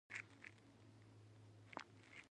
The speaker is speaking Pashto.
غوښتل يې خپله سيمه بدله کړي.